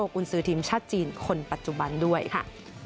กุญสือทีมชาติจีนคนปัจจุบันด้วยค่ะ